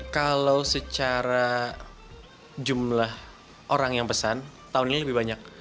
kalau secara jumlah orang yang pesan tahun ini lebih banyak